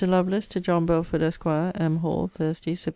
LOVELACE, TO JOHN BELFORD, ESQ. M. HALL, THURSDAY, SEPT.